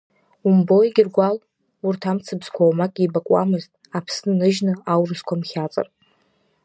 Умбои, Гьыргәал, урҭ амцабзқәа уамак еибакуамызт, Аԥсны ныжьны аурысқәа мхьаҵыр.